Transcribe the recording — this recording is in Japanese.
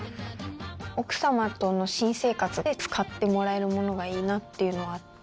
奥さまとの新生活で使ってもらえるものがいいなっていうのはあって。